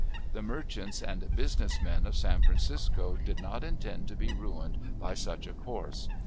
The merchants and business men of San Francisco did not intend to be ruined by such a course.